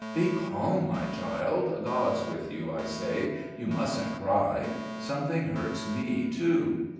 "Be calm, my child. God's with you," I say. "You mustn't cry. Something hurts me too."